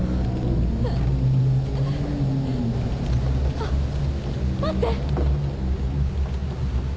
あ待って！